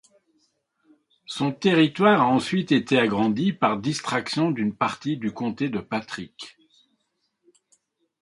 Son territoire a ensuite été agrandi par distraction d'une partie du comté de Patrick.